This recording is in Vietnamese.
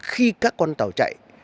khi các con tàu chạy